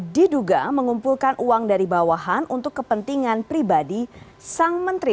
diduga mengumpulkan uang dari bawahan untuk kepentingan pribadi sang menteri